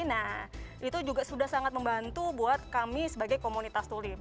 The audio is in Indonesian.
nah itu juga sudah sangat membantu buat kami sebagai komunitas tulip